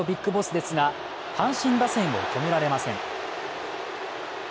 ＢＩＧＢＯＳＳですが阪神打線を止められません。